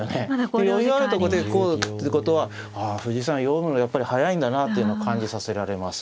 余裕あるとこでこうっていうことはあ藤井さん読むのやっぱり速いんだなというのを感じさせられます。